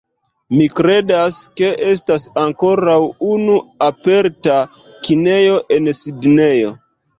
Mi kredas, ke estas ankoraŭ unu aperta kinejo en Sidnejo